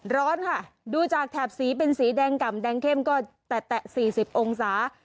ร้อนค่ะดูจากแถบสีเป็นสีแดงกล่ำแดงเข้มก็แตะ๔๐องศา